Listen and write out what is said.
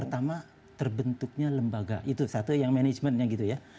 pertama terbentuknya lembaga itu satu yang manajemennya gitu ya